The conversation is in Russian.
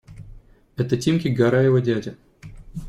Это Тимки Гараева дядя.